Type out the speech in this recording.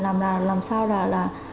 làm sao là